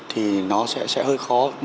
thì nó sẽ hơi khó